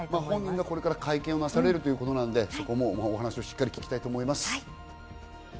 本人がこれから会見をなされるということなのでお話をしっかり聞きたいと思います。